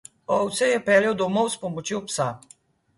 Ovce je peljal domov s pomočjo psa.